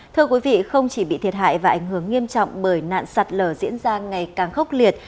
thưa quý vị không chỉ bị thiệt hại và ảnh hưởng nghiêm trọng bởi nạn sạt lở diễn ra ngày càng khốc liệt